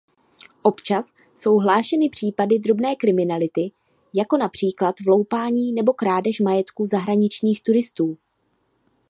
Občas jsou hlášeny případy drobné kriminality jako například vloupání nebo krádež majetku zahraničních turistů.